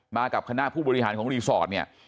มากับคณะผู้บริหารของรีสอร์ท